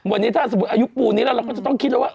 วันนี้ถ้าสมมุติอายุปูนี้แล้วเราก็จะต้องคิดแล้วว่า